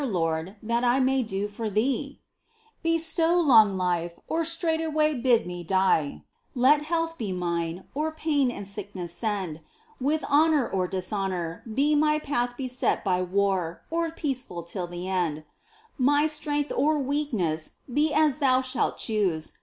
Lord, that I may do for Thee ? Bestow long life, or straightway bid me die ; Let health be mine, or pain and sickness send, With honour or dishonour ; be my path Beset by war, or peaceful till the end. My strength or weakness be as Thou shalt choose.